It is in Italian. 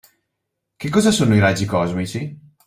Che cosa sono i raggi cosmici?